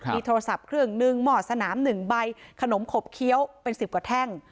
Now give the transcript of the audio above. มีโทรศัพท์เครื่องหนึ่งหมอสนาม๑ใบขนมขบเคี้ยวเป็น๑๐กว่าแท่ง